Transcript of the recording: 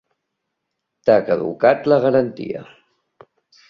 T'ha caducat la garantia.